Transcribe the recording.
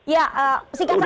ya singkat saja